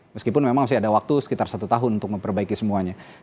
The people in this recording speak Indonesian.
meskipun memang masih ada waktu sekitar satu tahun untuk memperbaiki semuanya